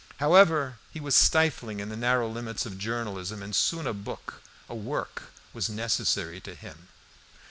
However, he was stifling in the narrow limits of journalism, and soon a book, a work was necessary to him.